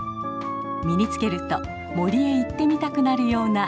身につけると森へ行ってみたくなるような色とカタチです。